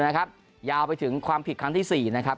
๑๕๐๐๐๒๐๐๐๐นะครับยาวไปถึงความผิดครั้งที่๔นะครับ